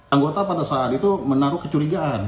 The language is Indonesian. anggota pada saat itu menaruh kecurigaan